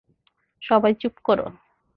সবাই চুপ করো!